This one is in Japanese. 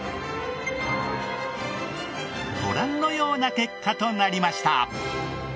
ご覧のような結果となりました。